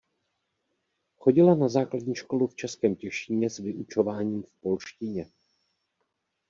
Chodila na základní školu v Českém Těšíně s vyučováním v polštině.